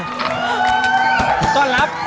ต้อนรับ